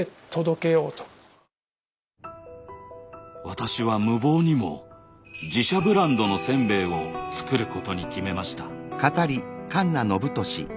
私は無謀にも自社ブランドのせんべいを作ることに決めました。